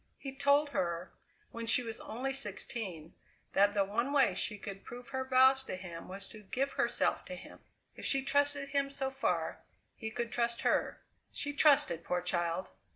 He told her, when she was only sixteen, that the one way she could prove her vows to him was to give herself to him. If she trusted him so far, he could trust her. She trusted, poor child!